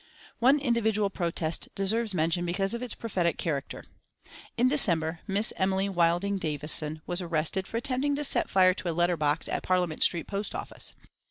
One individual protest deserves mention because of its prophetic character. In December Miss Emily Wilding Davison was arrested for attempting to set fire to a letter box at Parliament Street Post Office.